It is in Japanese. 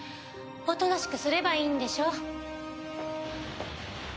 おとなしくすればいいんでしょ。